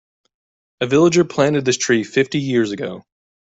A villager planted this tree fifty years ago.